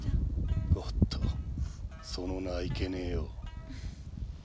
おっとその名はいけねぇよ。